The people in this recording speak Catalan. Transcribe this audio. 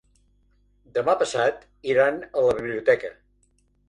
Demà passat iran a la biblioteca.